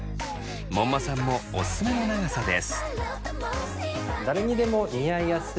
門馬さんもおすすめの長さです。